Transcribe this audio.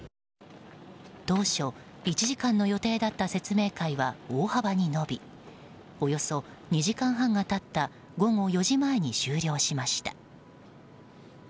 当初、１時間の予定だった説明会は大幅に延びおよそ２時間半が経った午後４時前に終了しました。